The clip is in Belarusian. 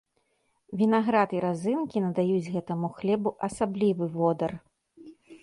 Вінаград і разынкі надаюць гэтаму хлебу асаблівы водар.